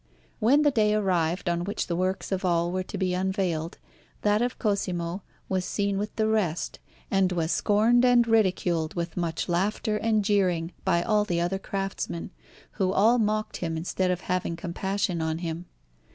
When the day arrived on which the works of all were to be unveiled, that of Cosimo was seen with the rest, and was scorned and ridiculed with much laughter and jeering by all the other craftsmen, who all mocked him instead of having compassion on him.